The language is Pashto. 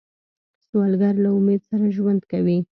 سوالګر له امید سره ژوند کوي